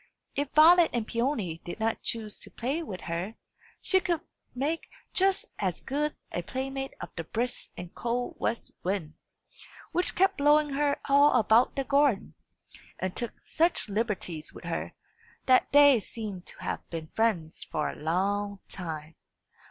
If Violet and Peony did not choose to play with her, she could make just as good a playmate of the brisk and cold west wind, which kept blowing her all about the garden, and took such liberties with her, that they seemed to have been friends for a long time.